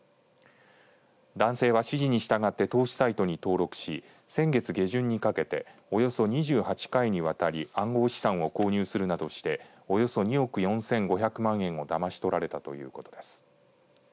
男性は指示に従って投資サイトに登録し先月下旬にかけておよそ２８回にわたり暗号資産を購入するなどしておよそ２億４５００万円をだまし取られたということです。